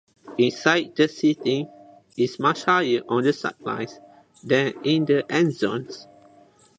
Inside, the seating is much higher on the sidelines than in the endzones.